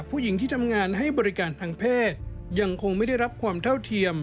ผู้หญิงที่ทำงานให้บริการทางเพศยังคงไม่ได้รับความเท่าเทียม